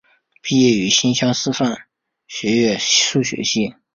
毕业于新乡师范学院数学系。